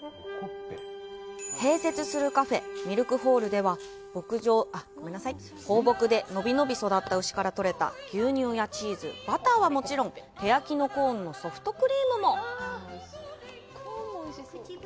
併設するカフェ、ミルクホールでは放牧でのびのび育った牛からとれた牛乳やチーズ、バターはもちろん手焼きのコーンのソフトクリームも！